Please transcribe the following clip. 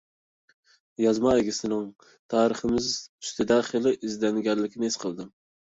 يازما ئىگىسىنىڭ تارىخىمىز ئۈستىدە خېلى ئىزدەنگەنلىكىنى ھېس قىلدىم.